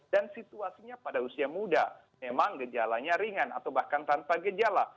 dan situasinya pada usia muda memang gejalanya ringan atau bahkan tanpa gejala